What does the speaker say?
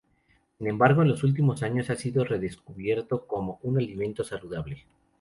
Sin embargo, en los últimos años ha sido redescubierto como un alimento saludable.